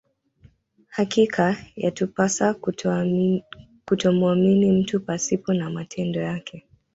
Hakika yatupasa kutomuamini mtu pasipo matendo yake